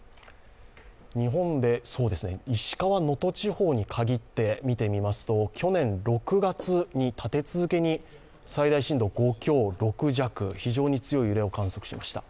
石川・能登地方に限って見てみますと、去年６月に立て続けに最大震度５強、６弱、非常に強い揺れを観測しました。